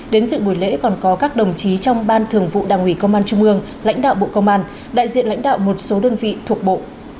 đến dự buổi lễ còn có các đồng chí trong ban thường vụ đảng ủy công an trung ương lãnh đạo bộ công an đại diện lãnh đạo một số đơn vị thuộc bộ